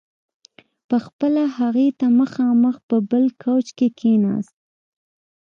په خپله هغې ته مخامخ په بل کاوچ کې کښېناست.